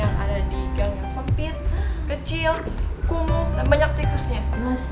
gue gak mau mimpiku itu jadi kenyataan